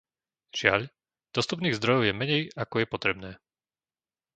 Žiaľ, dostupných zdrojov je menej ako je potrebné.